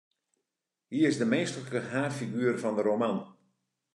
Hy is de minsklike haadfiguer fan de roman.